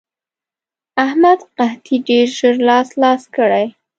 احمد قطعې ډېر ژر لاس لاس کړې.